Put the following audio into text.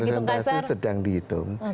persentase sedang dihitung